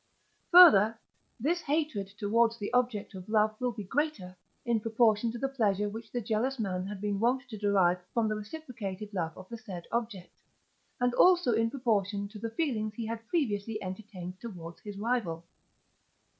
Further, this hatred towards the object of love will be greater, in proportion to the pleasure which the jealous man had been wont to derive from the reciprocated love of the said object; and also in proportion to the feelings he had previously entertained towards his rival.